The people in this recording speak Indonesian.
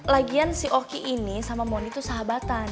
lagian si oki ini sama mondi tuh sahabatan